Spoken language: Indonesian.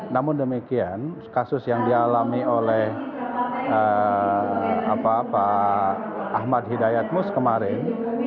namun demikian kasus yang dialami oleh pak ahmad hidayatmus kemarin